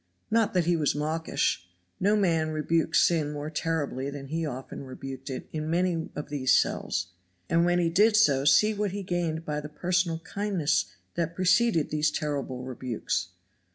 Not that he was mawkish. No man rebuked sin more terribly than he often rebuked it in many of these cells; and when he did so see what he gained by the personal kindness that preceded these terrible rebukes!